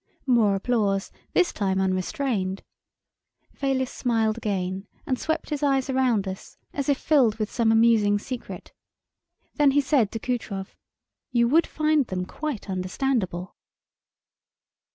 More applause this time unrestrained. Fayliss smiled again and swept his eyes around us, as if filled with some amusing secret. Then he said to Kutrov, "You would find them quite understandable."